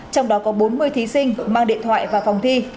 trong đó có bốn mươi thí sinh mang điện thoại vào phòng thi